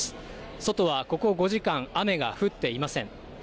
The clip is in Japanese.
外はここ５時間、雨が降っていません。